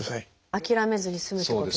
諦めずに済むってことですね。